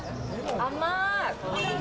甘い。